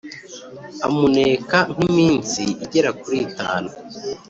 Amuneka nk’iminsi igera kuri itanu.